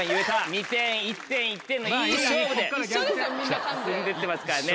２点１点１点のいい勝負で進んでってますからね。